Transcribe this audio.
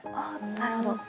なるほど。